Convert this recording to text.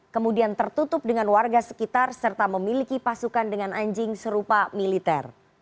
kemudian tertutup dengan warga sekitar serta memiliki pasukan dengan anjing serupa militer